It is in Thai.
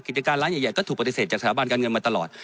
กิจการร้านใหญ่ก็ถูกปฏิเสธจากสถาบันการเงินมาตลอด